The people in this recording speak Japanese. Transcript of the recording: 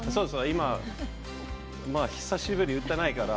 今、久しぶり、打ってないから。